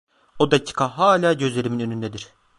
O dakika hala gözlerimin önündedir.